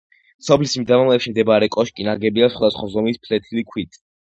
სოფლის მიდამოებში მდებარე კოშკი ნაგებია სხვადასხვა ზომის ფლეთილი ქვით.